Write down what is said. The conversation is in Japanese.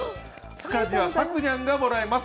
塚地はさくにゃんがもらえます。